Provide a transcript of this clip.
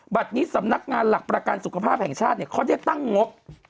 บัตรนี้สำนักงานหลักประกันสุขภาพแห่งชาติเนี่ยเขาได้ตั้งงบ